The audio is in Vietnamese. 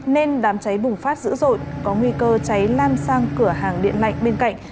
nên đám cháy bùng phát dữ dội có nguy cơ cháy lan sang cửa hàng điện lạnh bên cạnh